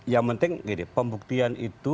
yang penting pembuktian itu